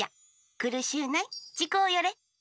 くるしゅうないちこうよれ。